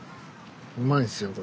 うまいんすよこれ。